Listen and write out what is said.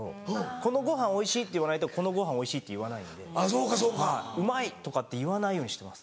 「このごはんおいしい」って言わないと「このごはんおいしい」って言わないので「うまい」とかって言わないようにしてます。